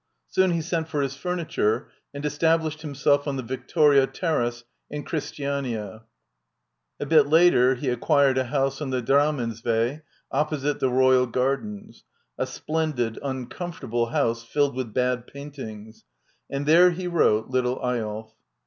Soon he sent for his furniture and established him self on the Viktoria Terrasse, in Christiania. A bit later he acquired a house on the Drammensvej, opposite the Royal Gardens — a splendid, uncom fortable house filled with bad paintings — and there he wrote " Little Eyolf."